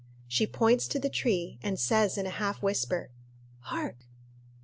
She points to the tree, and says, in a half whisper, "Hark!"